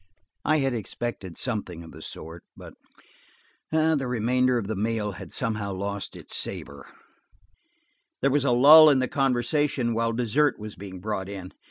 I had expected something of the sort, but the remainder of the meal had somehow lost its savor. There was a lull in the conversation while dessert was being brought in.